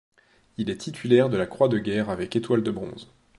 Il est titulaire de la Croix de guerre avec étoile de bronze.